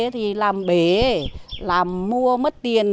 thì làm bể làm mua mất tiền